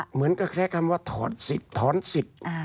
เหมือนกับใช้คำว่าถอดสิทธิ์ถอนสิทธิ์